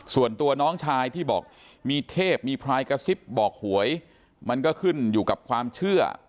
ส่วนตัวน้องชายที่บอกมีเทพมีพลายกระซิบบอกหวยมันก็ขึ้นอยู่กับความเชื่อ